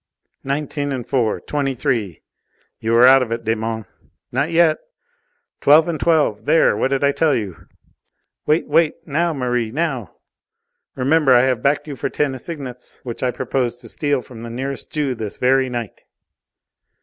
"Nineteen and four twenty three!" "You are out of it, Desmonts!" "Not yet!" "Twelve and twelve!" "There! What did I tell you?" "Wait! wait! Now, Merri! Now! Remember I have backed you for ten assignats, which I propose to steal from the nearest Jew this very night."